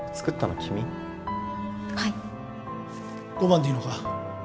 ５万でいいのか？